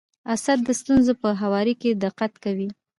اسد د ستونزو په هواري کي دقت کوي.